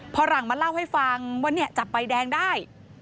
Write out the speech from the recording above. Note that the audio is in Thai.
พอหลังมาเล่าให้ฟังว่าเนี่ยจับใบแดงได้